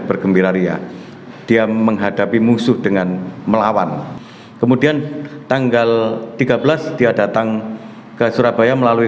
bergembira ria dia menghadapi musuh dengan melawan kemudian tanggal tiga belas dia datang ke surabaya melalui